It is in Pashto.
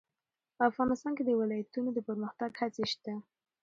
افغانستان کې د ولایتونو د پرمختګ هڅې شته.